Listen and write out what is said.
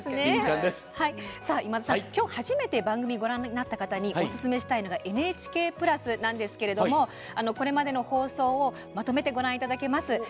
今田さん、そしてきょう初めてこの番組をご覧になった方におすすめしたいのが「ＮＨＫプラス」なんですけれどもこれまでの放送をまとめてご覧いただけます。